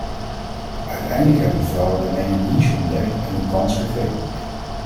Uiteindelijk hebben de vrouwen daarmee een niche ontdekt en hun kans gegrepen.